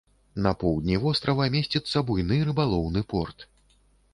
На поўдні вострава месціцца буйны рыбалоўны порт.